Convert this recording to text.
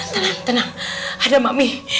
tenang tenang ada mami